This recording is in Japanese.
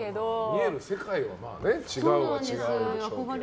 見える世界が違うは違うでしょうけどね。